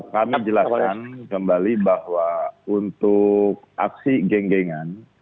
kami jelaskan kembali bahwa untuk aksi genggengan